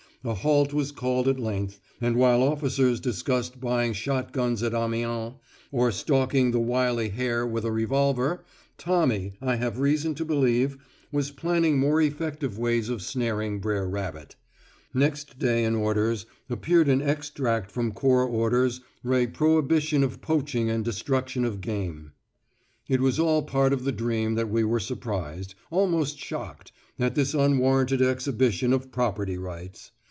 A halt was called at length, and while officers discussed buying shot guns at Amiens, or stalking the wily hare with a revolver, Tommy, I have reason to believe, was planning more effective means of snaring Brer rabbit. Next day in orders appeared an extract from corps orders re prohibition of poaching and destruction of game. It was all part of the dream that we were surprised, almost shocked, at this unwarranted exhibition of property rights!